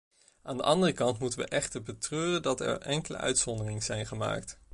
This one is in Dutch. Aan de andere kant moeten we echter betreuren dat er enkele uitzonderingen zijn gemaakt.